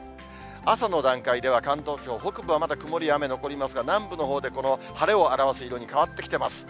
朝の段階では関東地方、北部はまだ曇りや雨残りますが、南部のほうでこの晴れを表す色に変わってきています。